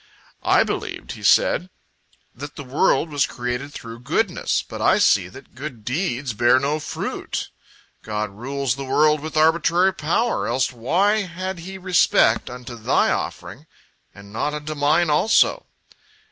"I believed," he said, "that the world was created through goodness, but I see that good deeds bear no fruit. God rules the world with arbitrary power, else why had He respect unto thy offering, and not unto mine also?"